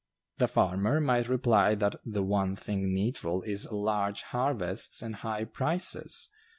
The farmer might reply, that 'the one thing needful is large harvests and high prices.